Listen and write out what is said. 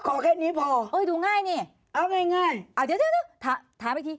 แค่นี้พอเอ้ยดูง่ายนี่เอาง่ายอ่าเดี๋ยวถามอีกที